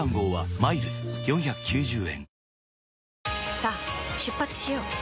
さあ出発しよう。